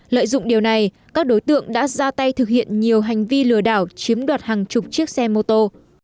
lợi dụng điều này các đối tượng đã ra tay thực hiện nhiều hành vi lừa đảo chiếm đoạt hàng chục chiếc xe mô tô